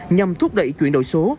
nhằm thúc đẩy chuyển đổi số